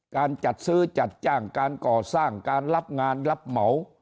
การจัดซื้อจัดจ้างการก่อสร้างการรับงานรับเหมา